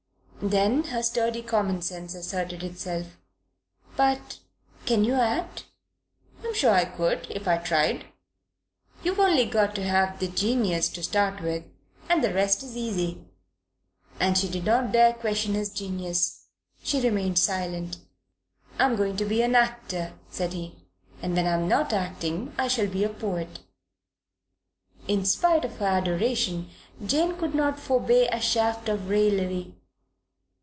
Then her sturdy common sense asserted itself. "But can you act?" "I'm sure I could, if I tried. You've only got to have the genius to start with and the rest is easy." As she did not dare question his genius, she remained silent. "I'm going to be an actor," said he, "and when I'm not acting I shall be a poet." In spite of her adoration Jane could not forbear a shaft of raillery.